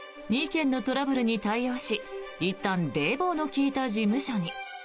２件のトラブルに対応しいったん冷房の利いた事務所に。